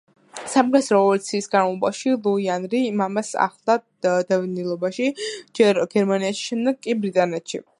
საფრანგეთის რევოლუციის განმავლობაში ლუი ანრი მამას ახლდა დევნილობაში, ჯერ გერმანიაში, შემდეგ კი ბრიტანეთში.